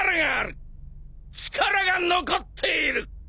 力が残っている！